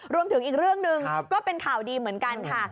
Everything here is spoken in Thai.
รวมถึงอีกเรื่องหนึ่งก็เป็นข่าวดีเหมือนกันค่ะ